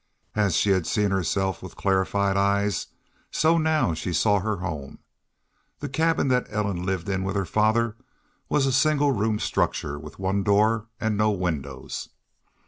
As she had seen herself with clarified eyes, so now she saw her home. The cabin that Ellen lived in with her father was a single room structure with one door and no windows.